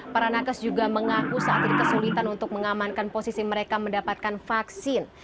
paranakas juga mengaku saat kesulitan untuk mengamankan posisi mereka mendapatkan vaksin